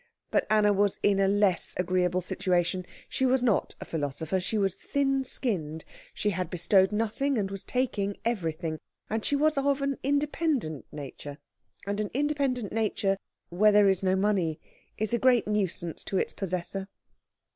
But Anna was in a less agreeable situation. She was not a philosopher, she was thin skinned, she had bestowed nothing and was taking everything, and she was of an independent nature; and an independent nature, where there is no money, is a great nuisance to its possessor.